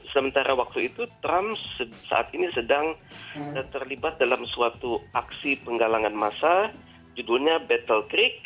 sementara waktu itu trump saat ini sedang terlibat dalam suatu aksi penggalangan masa judulnya battle trick